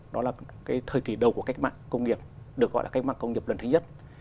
đó là cái thời kỳ đầu của cách mạng công nghiệp được gọi là cách mạng công nghiệp lần thứ nhất